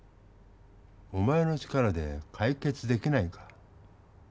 お前の力でかい決できないか？